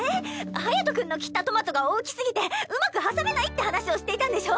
隼君の切ったトマトが大きすぎてうまく挟めないって話をしていたんでしょ。